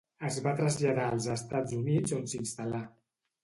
Es va traslladar als Estats Units on s'instal·là.